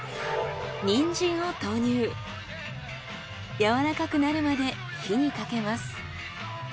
やわらかくなるまで火にかけます。